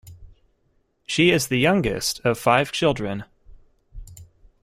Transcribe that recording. She is the youngest of five children.